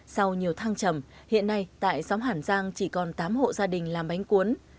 sau nhiều thăng trầm hiện nay tại xóm hàn giang chỉ còn tám hộ gia đình làm bánh cuốn